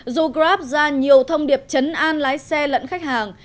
dù grab ra nhiều thông điệp chấn an lái xe lẫn khách hàng